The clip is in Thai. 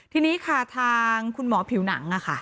ทีนี้ค่ะทางคุณหมอผิวหนังค่ะ